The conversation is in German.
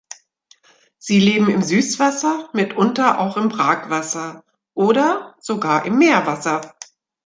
Sie leben im Süßwasser, mitunter auch im Brackwasser oder sogar im Meerwasser.